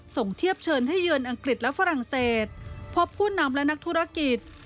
ส่งเทียบเชิญให้เยือนอังกฤษและฝรั่งเศสพบผู้นำและนักธุรกิจ